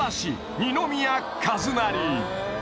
二宮和也